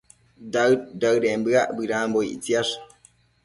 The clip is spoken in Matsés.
daëd-daëden bëac bedambo ictsiash